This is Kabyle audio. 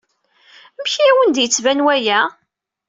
Amek i awen-d-yettban waya?